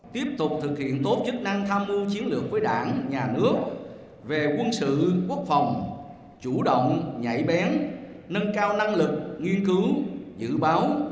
tiếp tục thực hiện tốt chức năng tham ưu chiến lược với đảng nhà nước về quân sự quốc phòng chủ động nhạy bén nâng cao năng lực nghiên cứu dự báo